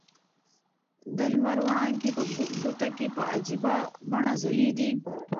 د لمر وړانګې په کوټه کې په عجیبه بڼه ځلېدې.